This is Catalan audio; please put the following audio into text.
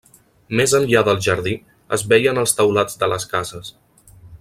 Més enllà del jardí es veien els teulats de les cases.